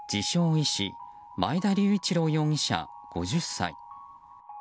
医師前田隆一郎容疑者、５０歳。